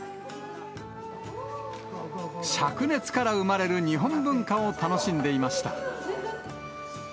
しゃく熱から生まれる日本文化を楽しんでいました。